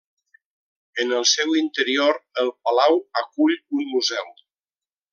En el seu interior, el palau acull un museu.